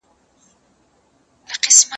هغه وويل چي د کتابتون کتابونه لوستل کول مهم دي،